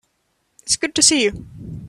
It's good to see you.